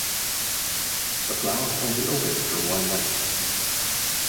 The flowers only open for one night.